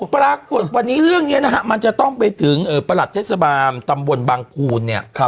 ปรากฏวันนี้เรื่องนี้นะฮะมันจะต้องไปถึงประหลัดเทศบาลตำบลบางภูนเนี่ย